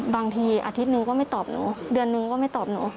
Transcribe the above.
บางทีอาทิตย์หนึ่งก็ไม่ตอบหนูเดือนนึงก็ไม่ตอบหนู